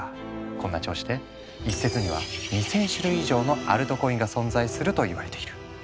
こんな調子で一説には２，０００種類以上のアルトコインが存在するといわれている。